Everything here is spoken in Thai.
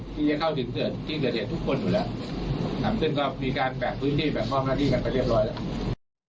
ที่จะเข้าถึงที่เกิดเหตุทุกคนอยู่แล้วนะครับซึ่งก็มีการแบ่งพื้นที่แบ่งมอบหน้าที่กันไปเรียบร้อยแล้ว